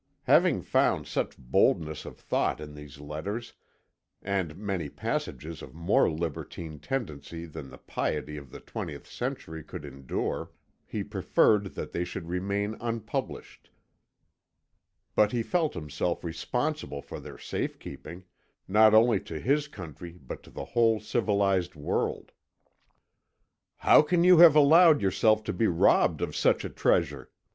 Having found much boldness of thought in these letters, and many passages of more libertine tendency than the piety of the twentieth century could endure, he preferred that they should remain unpublished; but he felt himself responsible for their safe keeping, not only to his country but to the whole civilized world. "How can you have allowed yourself to be robbed of such a treasure?"